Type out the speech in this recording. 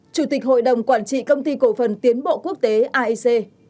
chủ tịch hội đồng quản trị công ty cổ phần tiến bộ quốc tế aic